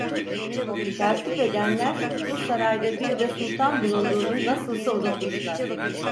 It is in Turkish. Tertip edenler bu sarayda bir de Sultan bulunduğunu nasılsa unutmuşlar…